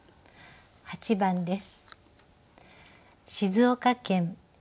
８番です。